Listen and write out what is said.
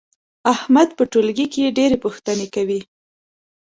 احمد په ټولګي کې ډېر پوښتنې کوي.